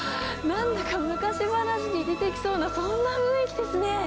なんだか昔話に出てきそうな、そんな雰囲気ですね。